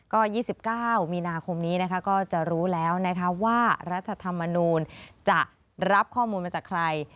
ก็๒๙มีนาคมนี้นะคะก็จะรู้แล้วนะคะว่ารัฐธรรมนูลจะรับข้อมูลมาจากใคร